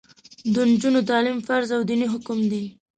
د نجونو تعلیم فرض او دیني حکم دی.